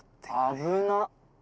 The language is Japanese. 危なっ。